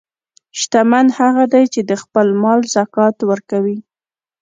شتمن هغه دی چې د خپل مال زکات ورکوي.